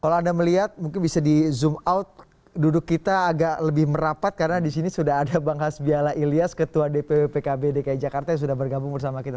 kalau anda melihat mungkin bisa di zoom out duduk kita agak lebih merapat karena disini sudah ada bang hasbiala ilyas ketua dpw pkb dki jakarta yang sudah bergabung bersama kita